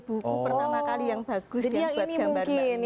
buku pertama kali yang bagus yang buat gambar windy